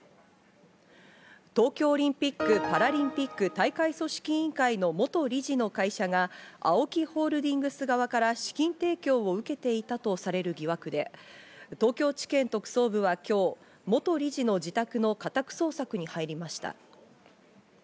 東京オリンピック・パラリンピック大会組織委員会の元理事の会社が、ＡＯＫＩホールディングス側から資金提供を受けていたとされる疑惑で、東京地検特捜部は今日、元理事の自宅の家宅捜索に入りました。